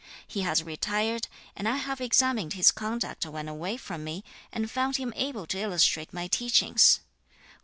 He has retired, and I have examined his conduct when away from me, and found him able to illustrate my teachings.